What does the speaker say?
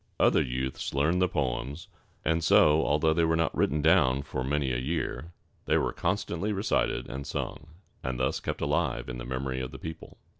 Other youths learned the poems; and so, although they were not written down for many a year, they were constantly recited and sung, and thus kept alive in the memory of the people.